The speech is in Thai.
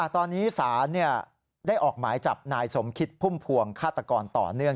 ตอนนี้ศาลได้ออกหมายจับนายสมคิดพุ่มพวงฆาตกรต่อเนื่อง